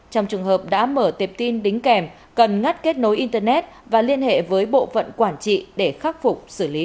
trong trường hợp đã mở tệp tin đính kèm cần ngắt kết nối internet và liên hệ với bộ phận quản trị để khắc phục xử lý